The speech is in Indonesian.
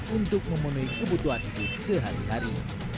untuk memenuhi kebutuhan hidup sehari hari